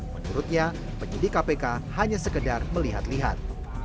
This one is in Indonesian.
menurutnya penyidik kpk hanya sekedar melihat lihat